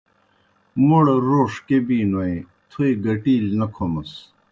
موْڑ روݜ کیْہ بِینوْ تھوئے گٹِیلیْ نہ کھومَس۔